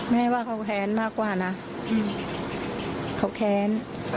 แม่ว่าเขาแค้นมากกว่านะเขาแค้น